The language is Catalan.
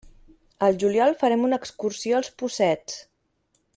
Al juliol farem una excursió al Possets.